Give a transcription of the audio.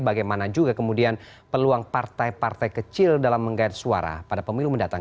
bagaimana juga kemudian peluang partai partai kecil dalam menggait suara pada pemilu mendatang